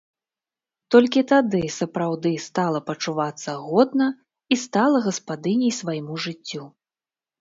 Толькі тады сапраўды стала пачувацца годна і стала гаспадыняй свайму жыццю.